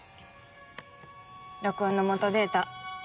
録音の元データ。